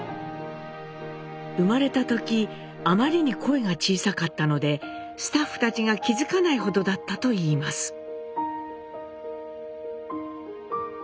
生まれた時あまりに声が小さかったのでスタッフたちが気付かないほどだったといいます。